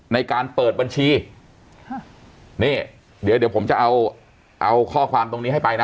ในการเปิดบัญชีนี่เดี๋ยวเดี๋ยวผมจะเอาเอาข้อความตรงนี้ให้ไปนะ